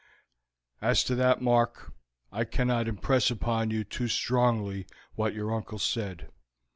"As to that, Mark, I cannot impress upon you too strongly what your uncle said.